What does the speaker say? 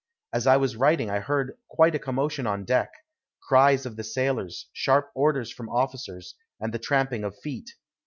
As I was writing I heard quite a commotion on deck cries of the sailors, sharp orders from officers, and the tramping of feet.